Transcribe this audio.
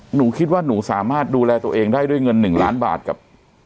หนูคิดว่าหนูสามารถดูแลตัวเองได้ด้วยเงิน๑ล้านบาทกับ